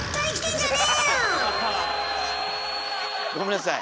ごめんなさい。